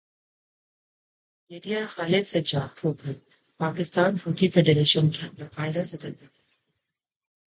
brigadier Khalid Sajjad Khokhar Pakistan hockey federation کے باقاعدہ صدر بن گئے